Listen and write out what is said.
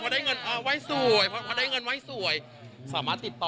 พอได้เงินไหว้สวยพอได้เงินไหว้สวยสามารถติดต่อ